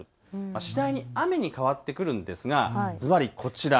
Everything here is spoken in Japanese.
次第に雨に変わってくるんですが、ずばりこちら。